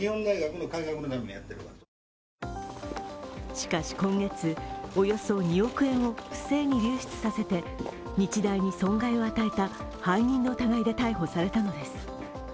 しかし今月、およそ２億円を不正に流出させて日大に損害を与えた背任の疑いで逮捕されたのです。